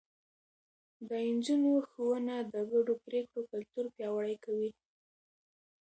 د نجونو ښوونه د ګډو پرېکړو کلتور پياوړی کوي.